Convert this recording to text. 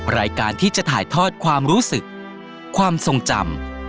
รายการที่จะถ่ายทอดความรู้สึกความทรงจำ